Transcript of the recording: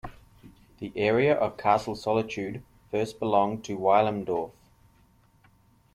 The area of Castle Solitude first belonged to Weilimdorf.